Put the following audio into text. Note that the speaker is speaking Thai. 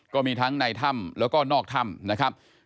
ก็มีทั้งในถ้ำแล้วก็นอกถ้ำนะครับ